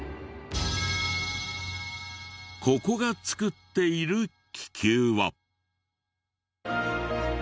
ここが作っている気球は。